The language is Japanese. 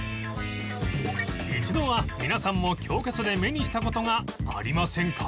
一度は皆さんも教科書で目にした事がありませんか？